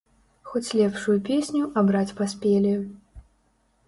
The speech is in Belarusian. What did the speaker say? Хоць лепшую песню абраць паспелі.